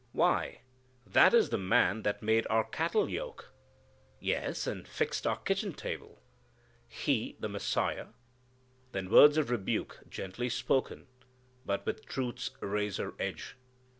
"Why, that is the man that made our cattle yoke." "Yes, and fixed our kitchen table." "He the Messiah!" Then words of rebuke gently spoken, but with truth's razor edge.